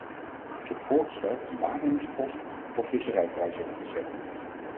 Ik heb voorgesteld een waarnemingspost voor visserijprijzen op te zetten.